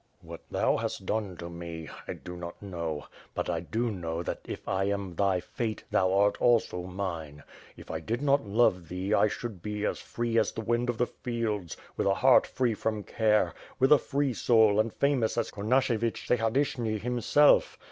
, "What thou hast done to me — I do not know; but I do know that if I am thy fate, thou art also mine. If I did not love thee I should be as free as the wind of the fields, with a heart free from care, with a free soul and famous as Kon ashevioh Sahaydachny himself.